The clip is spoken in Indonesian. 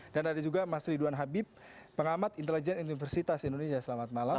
dan ada juga mas ridwan habib pengamat intelijen universitas indonesia selamat malam